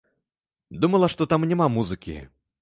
Думала, што там няма музыкі.